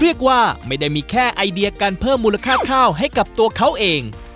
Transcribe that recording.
เรียกว่าไม่ได้มีแค่ไอเดียการเพิ่มมูลค่าข้าวให้กับตัวเขาเอง